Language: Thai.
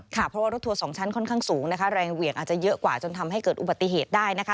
ค่ะเพราะว่ารถทัวร์สองชั้นค่อนข้างสูงนะคะแรงเหวี่ยงอาจจะเยอะกว่าจนทำให้เกิดอุบัติเหตุได้นะคะ